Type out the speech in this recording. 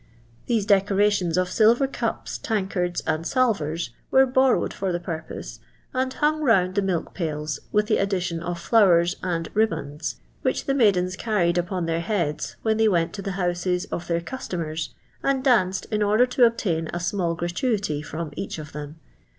The*e decorations of silver cups, tankards, and salver i, wi re l)orrowed for the purpose, and hung round the niilk pails, with the iiddition of flowers and rii)andy, which the maidens carried upon their heads when iln y went to the houses of their cus tomers, an>l danced in order to obtain a small gratuity from each of them.